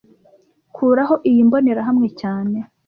Kuraho iyi mbonerahamwe cyane